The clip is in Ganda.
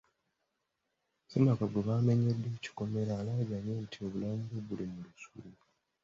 Ssemaka gwe baamenyedde ekikomera alaajanye nti obulamu bwe buli mu lusuubo.